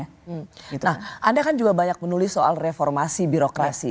nah anda kan juga banyak menulis soal reformasi birokrasi